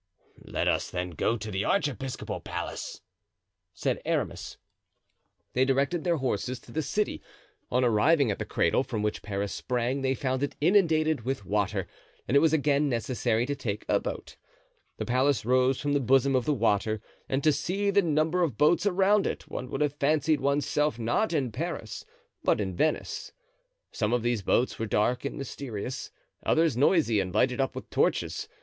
"Let us then go to the archiepiscopal palace," said Aramis. They directed their horses to the city. On arriving at the cradle from which Paris sprang they found it inundated with water, and it was again necessary to take a boat. The palace rose from the bosom of the water, and to see the number of boats around it one would have fancied one's self not in Paris, but in Venice. Some of these boats were dark and mysterious, others noisy and lighted up with torches.